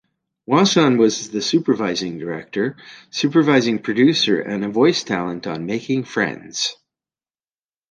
Wasson was the supervising director, supervising producer and a voice talent on "Making Fiends".